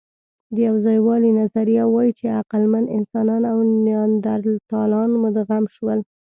د یوځایوالي نظریه وايي، چې عقلمن انسانان او نیاندرتالان مدغم شول.